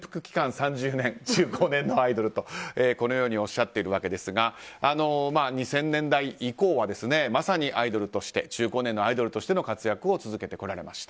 ３０年中高年のアイドルと、このようにおっしゃっているわけですが２０００年代以降は、まさに中高年のアイドルとしての活躍を続けてこられました。